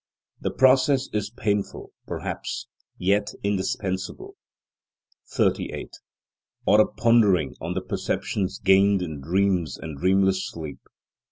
The process is painful, perhaps, yet indispensable. 38. Or a pondering on the perceptions gained in dreams and dreamless sleep.